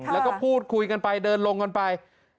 แล้วก็พูดคุยกันไปเดินลงกันไป